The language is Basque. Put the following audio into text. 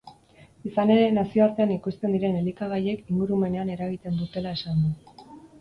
Izan ere, nazioartean ekoizten diren elikagaiek ingurumenean eragiten dutela esan du.